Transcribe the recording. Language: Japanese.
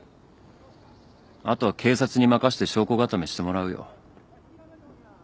あとは警察に任せて証拠固めしてもらうよ。